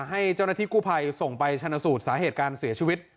ให้เจ้าหน้าที่กู้ภัยส่งไปชนะสูตรสาเหตุการเสียชีวิต